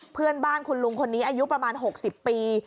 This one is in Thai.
เพื่อนบ้านคุณลุงคนนี้อายุประมาณ๖๐ปี